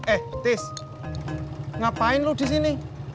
eh tis ngapain lu disini